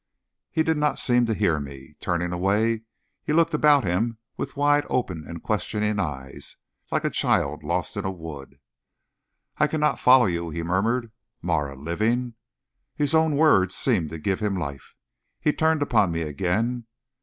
He did not seem to hear me. Turning away, he looked about him with wide open and questioning eyes, like a child lost in a wood. "I cannot follow you," he murmured. "Marah living?" His own words seemed to give him life. He turned upon me again.